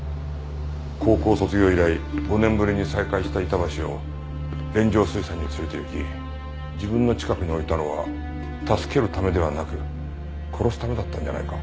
高校卒業以来５年ぶりに再会した板橋を連城水産に連れていき自分の近くに置いたのは助けるためではなく殺すためだったんじゃないか。